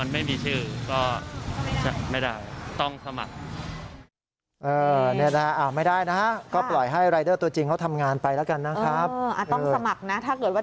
แล้วค่อยลงมาที่เดี๋ยว